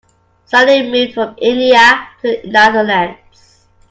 Salim moved from India to the Netherlands.